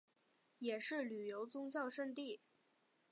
也是旅游宗教胜地。